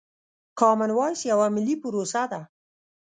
کامن وايس يوه ملي پروسه ده.